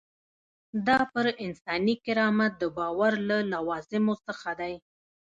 دا پر انساني کرامت د باور له لوازمو څخه دی.